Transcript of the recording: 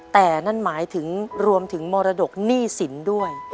แต่นั่นหมายถึงรวมถึงมรดกหนี้สินด้วย